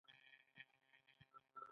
آیا ایران د انټرنیټ محدودیتونه نلري؟